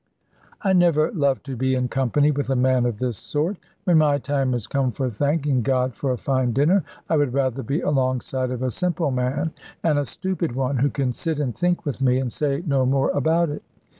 I never love to be in company with a man of this sort. When my time is come for thanking God for a fine dinner, I would rather be alongside of a simple man and a stupid one, who can sit and think with me, and say no more about it.